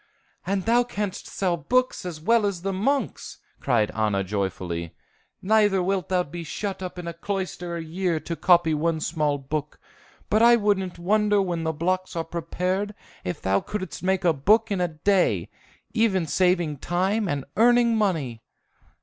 "And thou canst sell books as well as the monks!" cried Anna joyfully. "Neither wilt thou be shut up in a cloister a year to copy one small book; but I wouldn't wonder when the blocks are prepared, if thou couldst make a book in a day, even saving time and earning money!"